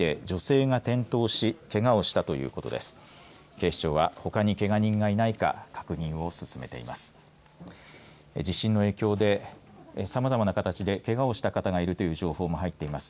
警視庁は、ほかにけが人がいないか確認を進めています繰り返します。